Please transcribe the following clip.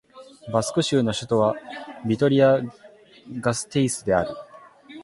バスク州の州都はビトリア＝ガステイスである